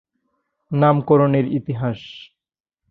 নামকরণের ইতিহাস।